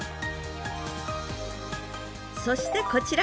そしてこちら。